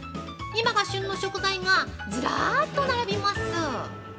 今が旬の食材がずらっと並びます。